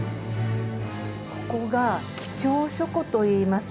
ここが「貴重書庫」といいます。